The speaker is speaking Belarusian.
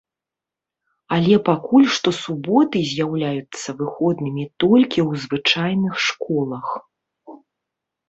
Але пакуль што суботы з'яўляюцца выходнымі толькі ў звычайных школах.